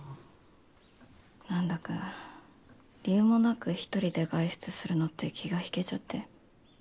なんだか理由もなく１人で外出するのって気が引けちゃって。